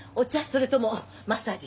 それともマッサージ？